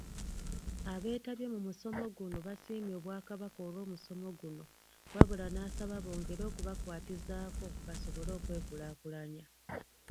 Abeetabye mu musomo guno basiimye Obwakabaka olw'omusomo guno wabula nasaba bongere okubakwatizaako basobole okwekulaakulanya.